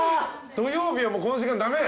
土曜日はもうこの時間駄目？